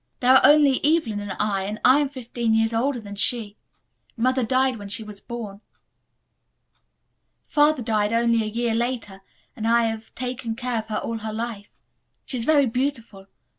There are only Evelyn and I, and I am fifteen years older than she. Mother died when she was born. Father died only a year later and I have taken care of her all her life. She is very beautiful.